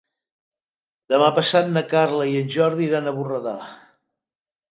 Demà passat na Carla i en Jordi iran a Borredà.